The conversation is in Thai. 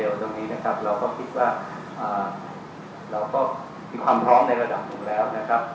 เราก็คิดว่าเราก็มีความพร้อมในระดับหนึ่งแล้วนะครับ